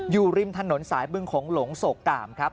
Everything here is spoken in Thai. อยู่ริมถนนสายบึงของหลงโศกกามครับ